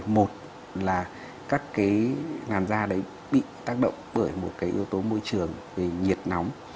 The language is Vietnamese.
một là các cái làn da đấy bị tác động bởi một cái yếu tố môi trường về nhiệt nóng